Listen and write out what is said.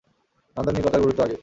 নান্দনীকতার গুরুত্ব আগে!